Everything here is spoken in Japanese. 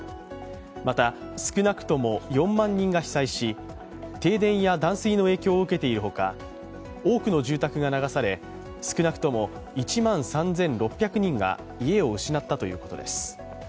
また、少なくとも４万人が被災し停電や断水の影響を受けているほか、多くの住宅が流され少なくとも１万３６００人が家を失ったということです。